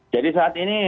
jadi saat ini